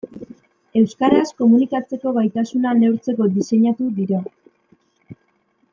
Euskaraz komunikatzeko gaitasuna neurtzeko diseinatu dira.